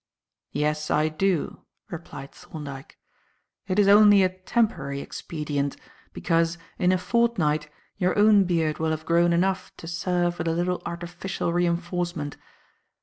"Yes, I do," replied Thorndyke. "It is only a temporary expedient, because, in a fortnight, your own beard will have grown enough to serve with a little artificial re enforcement.